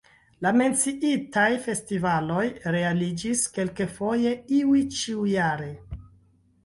La menciitaj festivaloj realiĝis kelkfoje, iuj ĉiujare.